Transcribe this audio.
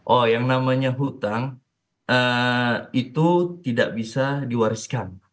oh yang namanya hutang itu tidak bisa diwariskan